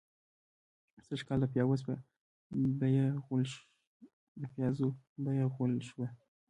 سږکال د پيازو بيه غول شوه.